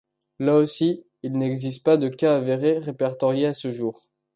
Là aussi, il n'existe pas de cas avéré répertorié à ce jour.